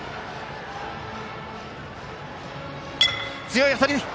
強い当たり！